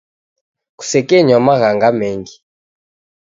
Kusekenywa maghanga mengi.